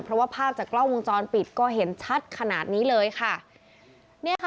เพราะว่าภาพจากกล้องวงจรปิดก็เห็นชัดขนาดนี้เลยค่ะเนี่ยค่ะ